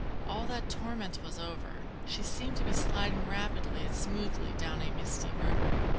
All that torment was over. She seemed to be sliding rapidly and smoothly down a misty river.